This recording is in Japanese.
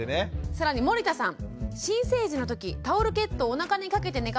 更に森田さん。